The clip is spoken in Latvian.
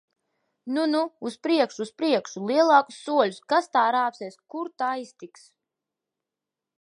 Nu, nu! Uz priekšu! Uz priekšu! Lielākus soļus! Kas tā rāpsies! Kur ta aiztiks!